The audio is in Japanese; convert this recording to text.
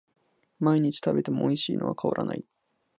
毎日食べてもおいしいのは変わらない